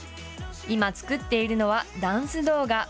今、作っているのはダンス動画。